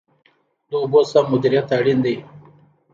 د اوبو سم مدیریت اړین دی